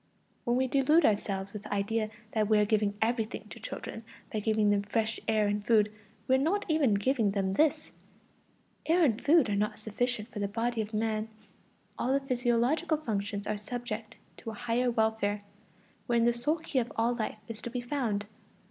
When we delude ourselves with the idea that we are giving everything to children by giving them fresh air and food, we are not even giving them this: air and food are not sufficient for the body of man; all the physiological functions are subject to a higher welfare, wherein the sole key of all life is to be found.